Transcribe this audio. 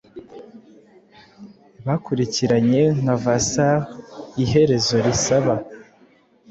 Bakurikiranye nka vassalsIherezo risaba